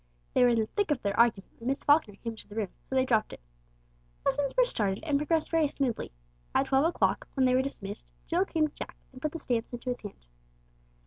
They were in the thick of their argument when Miss Falkner came into the room, so they dropped it. Lessons were started, and progressed very smoothly. At twelve o'clock, when they were dismissed, Jill came to Jack, and put the stamps into his hand.